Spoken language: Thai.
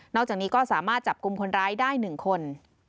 อกจากนี้ก็สามารถจับกลุ่มคนร้ายได้๑คน